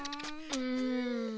うん。